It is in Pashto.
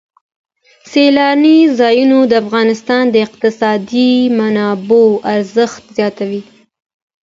سیلانی ځایونه د افغانستان د اقتصادي منابعو ارزښت زیاتوي.